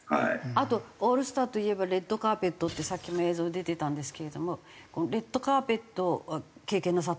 あとオールスターといえばレッドカーペットってさっきも映像に出てたんですけれどもレッドカーペットは経験なさったわけですよね？